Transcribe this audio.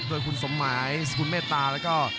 โดยคุณสมหมายสกุลเมตตาแล้วก็